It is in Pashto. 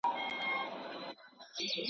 ان چي د جګړې ارزښت هم په برخه لري